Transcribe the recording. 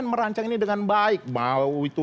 merancang ini dengan baik bau itu